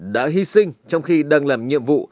đã hy sinh trong khi đang làm nhiệm vụ